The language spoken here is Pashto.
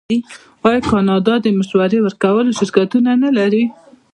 آیا کاناډا د مشورې ورکولو شرکتونه نلري؟